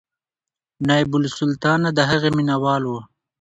نایبالسلطنه د هغې مینهوال و.